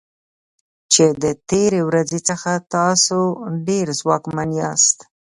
چې د تیرې ورځې څخه تاسو ډیر ځواکمن یاست.